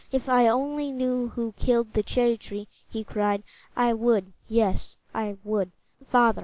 "If I only knew who killed that cherry tree," he cried, "I would yes, I would" "Father!"